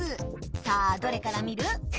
さあどれから見る？